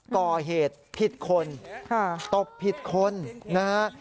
ก่อเหตุผิดคนตบผิดคนนะฮะ